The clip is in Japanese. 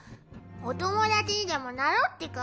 お友達にでもなろうってか？